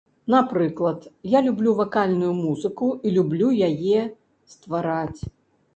Напрыклад, я люблю вакальную музыку і люблю яе ствараць.